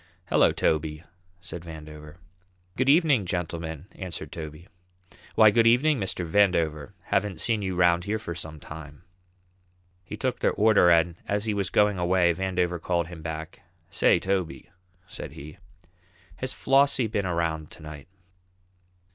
"Hello, Toby!" said Vandover. "Good evening, gentlemen," answered Toby. "Why, good evening, Mr. Vandover; haven't seen you 'round here for some time." He took their order, and as he was going away, Vandover called him back: "Say, Toby," said he, "has Flossie been around to night?"